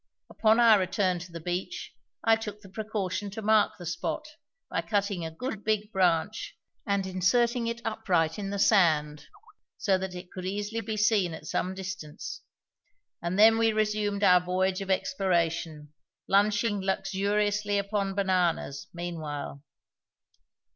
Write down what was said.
Upon our return to the beach I took the precaution to mark the spot by cutting a good big branch and inserting it upright in the sand, so that it could easily be seen at some distance; and then we resumed our voyage of exploration, lunching luxuriously upon bananas, meanwhile.